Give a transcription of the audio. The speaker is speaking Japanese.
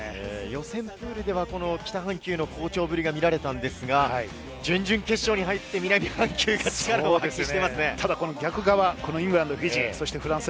予選プールでは北半球の好プレーが見られたのですが、準々決勝に入って、南半球の好プレーが見られていますね。